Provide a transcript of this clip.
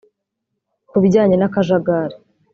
Ku bijyanye n’akajagari